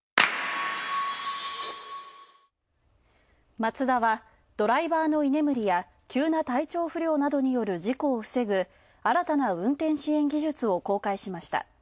マツダはドライバーの居眠りや急な体調不良などによる事故を防ぐ新たな運転支援技術を公開しました。